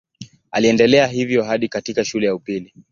Aliendelea hivyo hadi katika shule ya upili.